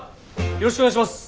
よろしくお願いします。